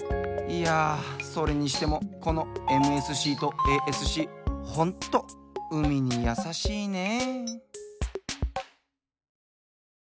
いやそれにしてもこのＭＳＣとＡＳＣホント海にやさしいね！